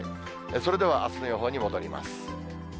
それではあすの予報に戻ります。